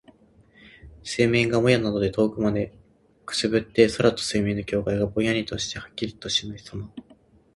水面がもやなどで遠くまで煙って、空と水面の境界がぼんやりしてはっきりとしないさま。